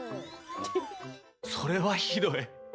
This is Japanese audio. それはひどい。